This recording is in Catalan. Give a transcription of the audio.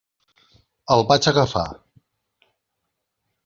El vaig agafar.